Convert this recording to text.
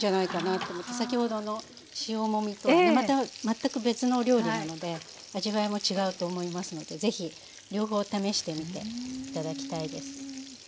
先ほどの塩もみとはまた全く別の料理なので味わいも違うと思いますのでぜひ両方試してみて頂きたいです。